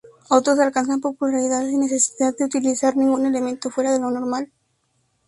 Otros alcanzan popularidad sin necesidad de utilizar ningún elemento fuera de lo normal.